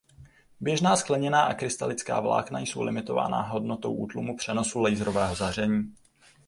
Běžná skleněná a krystalická vlákna jsou limitována hodnotou útlumu přenosu laserového záření.